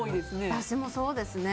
私もそうですね。